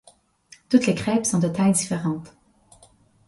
Toutes les crêpes sont de taille différente.